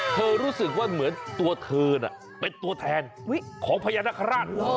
รู้สึกว่าเหมือนตัวเธอน่ะเป็นตัวแทนของพญานาคาราช